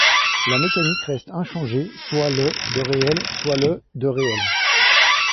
La mécanique reste inchangée soit le de réel, soit le de réel.